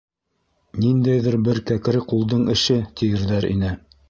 «Ниндәйҙер бер кәкре ҡулдың эше», - тиерҙәр ине.